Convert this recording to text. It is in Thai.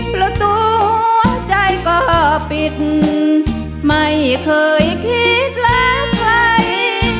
ประตูใจก็ปิดไม่เคยคิดละใคร